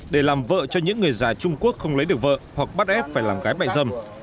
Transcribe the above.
để làm vợ cho những người già trung quốc không lấy được vợ hoặc bắt ép phải làm gái mại dâm